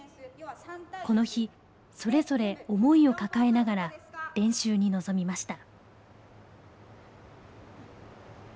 この日それぞれ思いを抱えながら練習に臨みました。